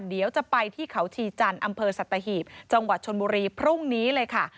เดี๋ยวจะไปที่เขาชีจันทร์อำเภอสัตหีบจังหวัดชนบุรีพรุ่งนี้เลยค่ะ